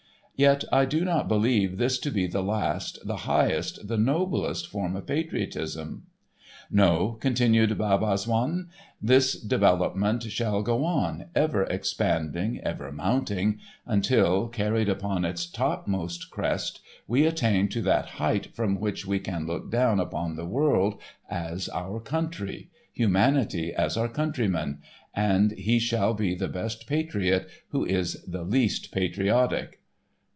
Yet I do not believe this to be the last, the highest, the noblest form of patriotism. "No," continued Bab Azzoun, "this development shall go on, ever expanding, ever mounting, until, carried upon its topmost crest, we attain to that height from which we can look down upon the world as our country, humanity as our countrymen, and he shall be the best patriot who is the least patriotic."